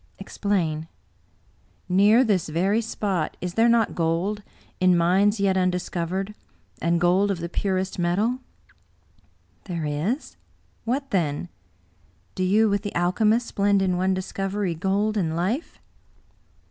" Explain." " Near this very spot is there not gold — in mines yet un discovered — and gold of the purest metal ?" "There is. What then? Do you, with the alchemists, blend in one discovery, gold and life?"